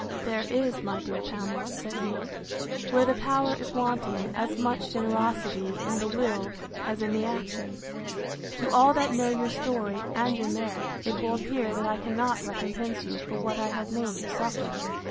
There is, my dear Pamela, said he, where the power is wanting, as much generosity in the will as in the action. To all that know your story, and your merit, it will appear that I cannot recompense you for what I have made you suffer.